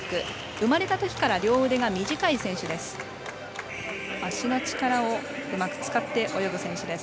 生まれたときから両腕が短い選手です。